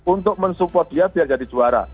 untuk mensupport dia biar jadi juara